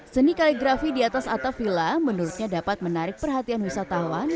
seni kaligrafi di atas atap villa menurutnya dapat menarik perhatian wisatawan